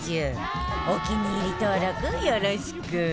お気に入り登録よろしく